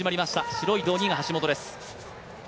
白い道着が橋本です。